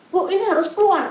bu ini harus keluar